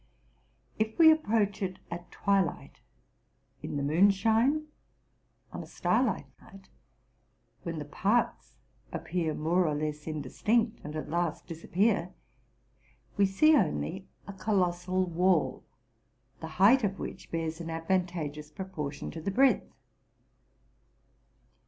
If we approach it at twilight, in the moonshine, on a starlight night, when the parts appear more or less indistinct and at last disappear, we see only a colossal wall, the height of which bears an ad vantageous proportion to the breadth.